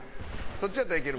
そっちやったらいける。